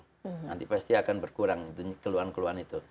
nanti pasti akan berkurang keluhan keluhan itu